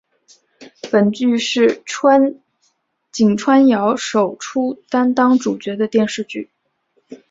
本剧是井川遥首出担当主角的电视剧。